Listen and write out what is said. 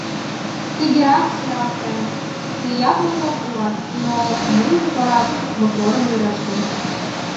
Тыгерак сералтем: «Тыят мотор улат, но мый утларак моторым верештым...